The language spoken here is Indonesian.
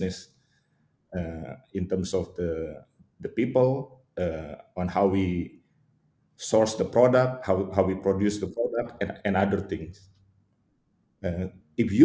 berdasarkan orang bagaimana kita menghasilkan produk bagaimana kita memproduksi produk dan lainnya